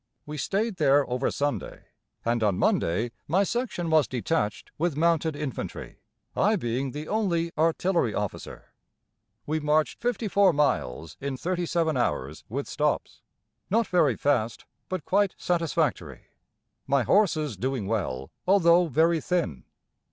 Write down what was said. We stayed there over Sunday, and on Monday my section was detached with mounted infantry, I being the only artillery officer. We marched 54 miles in 37 hours with stops; not very fast, but quite satisfactory. My horse is doing well, although very thin.